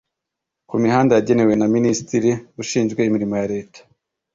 Ku mihanda yagenwe na Minisitiri ushinzwe imirimo ya Leta